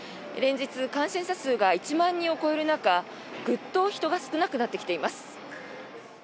連日、感染者数が１万人を超える中グッと人が少なくなってきています。